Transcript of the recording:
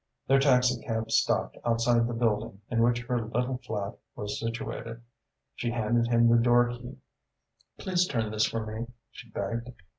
Their taxicab stopped outside the building in which her little flat was situated. She handed him the door key. "Please turn this for me," she begged.